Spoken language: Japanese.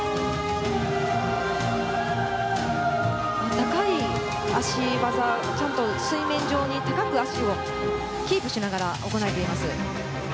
高い脚技、水面上に高く脚をキープしながら行えています。